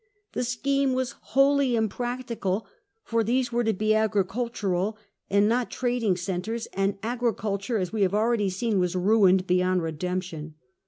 The scheme was wholly impracticahle, for these were to he agricultural and not trading centres, and agriculture, as we have already seen, was ruined beyond redemption.